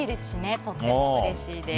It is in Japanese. とてもうれしいです。